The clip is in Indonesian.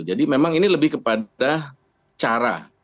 jadi memang ini lebih kepada cara